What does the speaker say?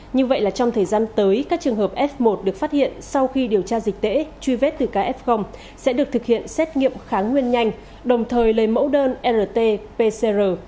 như vậy là trong thời gian tới các trường hợp f một được phát hiện sau khi điều tra dịch tễ truy vết từ kf sẽ được thực hiện xét nghiệm kháng nguyên nhanh đồng thời lấy mẫu đơn rt pcr